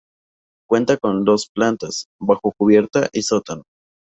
Cuenta con dos plantas: bajo cubierta y sótano.